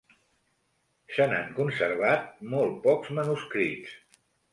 Se n'han conservat molt pocs manuscrits.